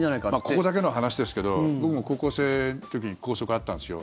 ここだけの話ですけど僕も高校生の時に校則があったんですよ。